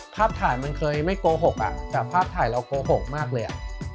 ภาพถ่ายมันเคยไม่โกหกอ่ะแต่ภาพถ่ายเราโกหกมากเลยอ่ะ